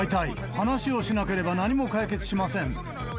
話をしなければ何も解決しません。